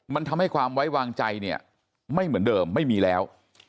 มันทำให้ความไว้วางใจเนี่ยไม่เหมือนเดิมไม่มีแล้ว